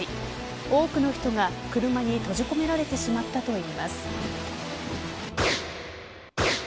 多くの人が車に閉じ込められてしまったといいます。